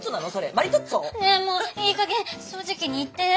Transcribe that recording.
マリトッツォ？ねえもういいかげん正直に言って。